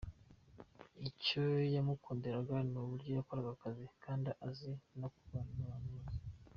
Icyo yamukundiraga ni uburyo yakoraga akazi kandi azi no kubana n’abantu bose.